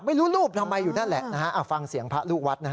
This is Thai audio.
รูปทำไมอยู่นั่นแหละนะฮะฟังเสียงพระลูกวัดนะฮะ